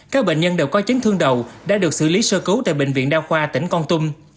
các bệnh nhân đều có chấn thương đầu đã được xử lý sơ cứu tại bệnh viện đa khoa tỉnh con tum